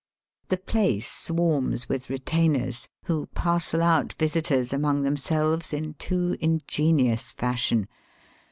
The place swarms with retaiuers, who parcel out visitors among themselves in too ingenious fashion.